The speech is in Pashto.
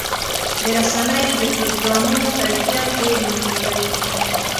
د رسنیو د پروګرامونو کیفیت ډېر مهم دی.